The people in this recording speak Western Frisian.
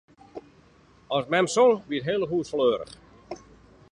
As mem song, wie it hiele hûs fleurich.